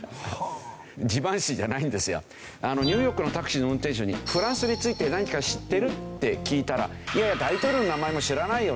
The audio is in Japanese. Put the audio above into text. ニューヨークのタクシーの運転手に「フランスについて何か知ってる？」って聞いたら「いやいや大統領の名前も知らないよ」と。